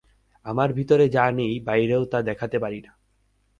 আমাদের ভিতরে যা নেই, বাইরেও তা দেখতে পারি না।